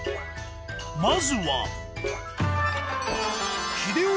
まずは。